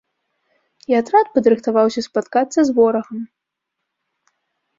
І атрад падрыхтаваўся спаткацца з ворагам.